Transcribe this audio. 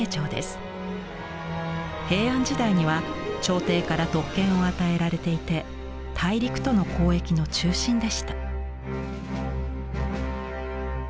平安時代には朝廷から特権を与えられていて大陸との交易の中心でした。